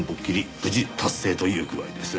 無事達成という具合です。